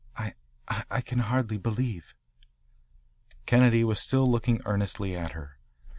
I I can hardly believe" Kennedy was still looking earnestly at her.